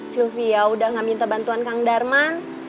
silvia udah gak minta bantuan kang darman